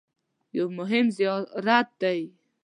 یو مهم زیارت دی.